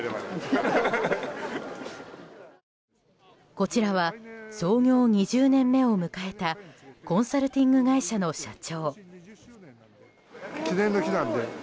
こちらは創業２０年目を迎えたコンサルティング会社の社長。